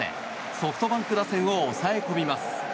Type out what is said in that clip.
ソフトバンク打線を抑え込みます。